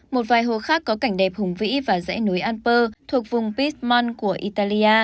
một vài hồ khác có cảnh đẹp hùng vĩ và dãy núi alper thuộc vùng pismont của italia